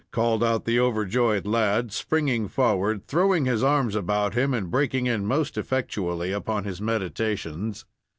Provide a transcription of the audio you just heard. called out the overjoyed lad, springing forward, throwing his arms about him, and breaking in most effectually upon his meditations.